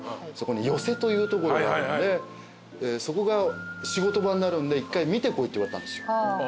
そこに寄席というところがあるんでそこが仕事場になるんで一回見てこいって言われたんですよ。